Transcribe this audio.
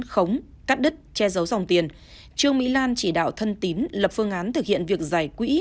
khống cắt đứt che giấu dòng tiền trương mỹ lan chỉ đạo thân tín lập phương án thực hiện việc giải quỹ